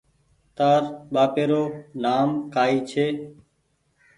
تاَر ٻهاپيرو نآم ڪائي ڇي